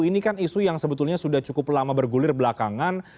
ini kan isu yang sebetulnya sudah cukup lama bergulir belakangan